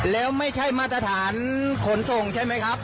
แล้วไม่ใช่มาตรฐานขนส่งใช่ไหมครับ